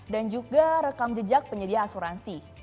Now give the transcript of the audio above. dan juga rekam jejak penyedia asuransi